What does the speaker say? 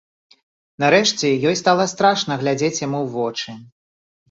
Нарэшце ёй стала страшна глядзець яму ў вочы.